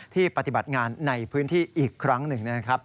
ปฏิบัติงานในพื้นที่อีกครั้งหนึ่งนะครับ